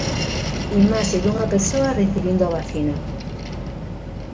Imaxe dunha persoa recibindo a vacina.